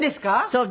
そう。